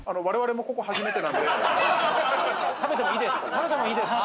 食べてもいいですか？